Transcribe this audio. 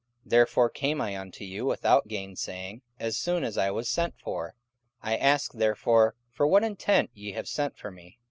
44:010:029 Therefore came I unto you without gainsaying, as soon as I was sent for: I ask therefore for what intent ye have sent for me?